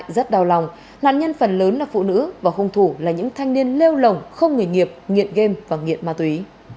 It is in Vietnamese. rất đau lòng nạn nhân phần lớn là phụ nữ và hung thủ là những thanh niên lêu lỏng không nghề nghiệp nghiện game và nghiện ma túy